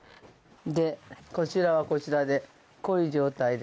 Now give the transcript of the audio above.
でこちらはこちらでこういう状態で。